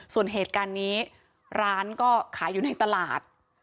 ส่วนเหตุการณ์นี้ร้านก็ขายอยู่ในตลาด